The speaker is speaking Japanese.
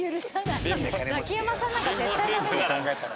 ザキヤマさんなんか絶対ダメじゃん。